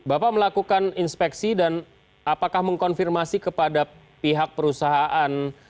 bapak melakukan inspeksi dan apakah mengkonfirmasi kepada pihak perusahaan